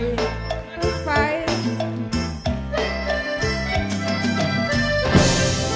ร้องได้ให้ร้องได้เลย